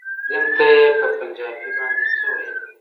ناظم ته يې په پنجابي باندې څه ويل.